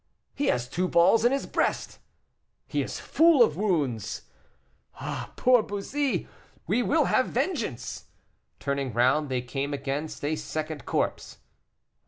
"He has two balls in his breast." "He is full of wounds." "Ah! poor Bussy! we will have vengeance!" Turning round they came against a second corpse.